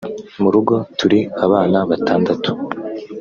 Mu rugo turi abana batandatu